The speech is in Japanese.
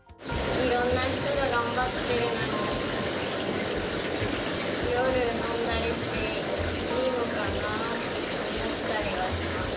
いろんな人が頑張ってるのに、夜飲んだりしていいのかなーって思ったりはします。